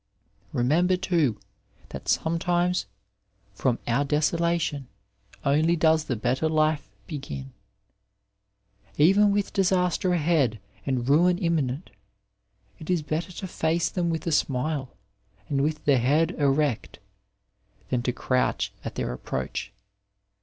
Remember, too, that sometimes '^ from our desolation only does the better life begin." Even with disaster ahead and ruin inmiinent, it is better to face them with a smile, and with the head erect, than to crouch at their approach.